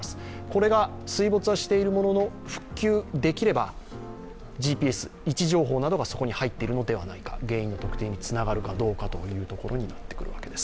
これが水没しているものの、復旧できればＧＰＳ、位置情報などがそこに入っているのではないか、原因の特定につながってくるのではないか。